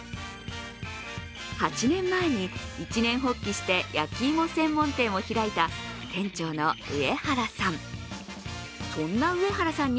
８年前に、一念発起して、焼き芋専門店を開いた店長の上原さん。